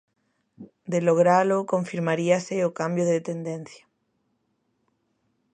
De logralo, confirmaríase o cambio de tendencia.